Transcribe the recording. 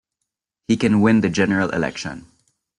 He can win the general election.